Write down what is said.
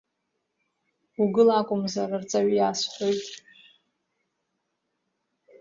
Угыл акәымзар, арҵаҩы иасҳәоит…